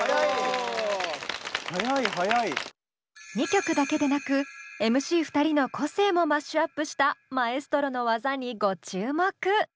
２曲だけでなくＭＣ２人の個性もマッシュアップしたマエストロの技にご注目！